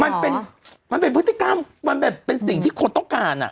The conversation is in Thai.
มันเป็นมันเป็นพฤติกรรมมันเป็นสิ่งที่คนต้องการอ่ะ